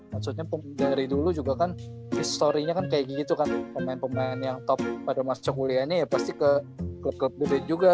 maksudnya dari dulu juga kan history nya kan kayak gitu kan pemain pemain yang top pada masa kuliahnya ya pasti ke klub klub gede juga